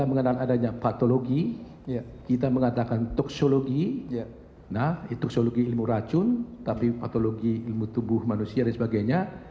kita mengenal adanya patologi kita mengatakan toksologi nah toksologi ilmu racun tapi patologi ilmu tubuh manusia dan sebagainya